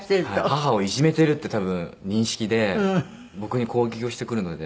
母をいじめてるって多分認識で僕に攻撃をしてくるので。